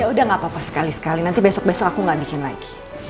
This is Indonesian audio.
yaudah gapapa sekali sekali nanti besok besok aku gak bikin lagi